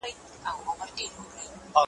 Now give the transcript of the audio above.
چي بنده کله مغروره په خپل ځان سي `